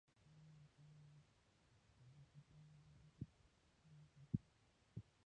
متغیره پانګه او ثابته پانګه د ګټې بیه ټاکي